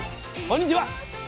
こんにちは。